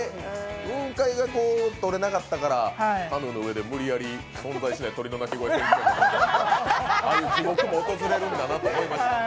雲海が撮れなかったからカヌーの上で無理やり存在しない鳥の鳴き声を聞かされたり、ああいう地獄も訪れるんだなと思いました。